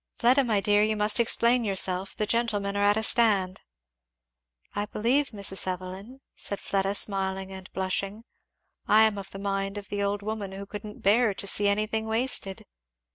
"Fleda my dear, you must explain yourself, the gentlemen are at a stand." "I believe, Mrs. Evelyn," said Fleda smiling and blushing, I am of the mind of the old woman who couldn't bear to see anything wasted."